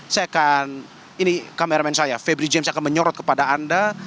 saya akan ini kameramen saya febri james akan menyorot kepada anda